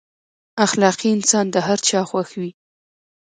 اخلاقي انسان د هر چا خوښ وي.